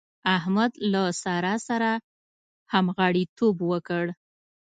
احمد له سارا سره همغاړيتوب وکړ.